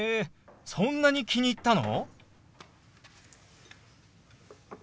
そんなに気に入ったの？